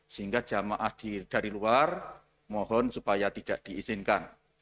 sehingga jamaah dari luar mohon supaya tidak diizinkan